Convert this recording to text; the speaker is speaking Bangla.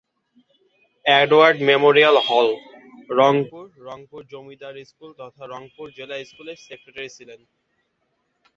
Edward Memorial Hall, Rangpur, Rangpur Zamindar School তথা রংপুর জিলা স্কুলের সেক্রেটারি ছিলেন।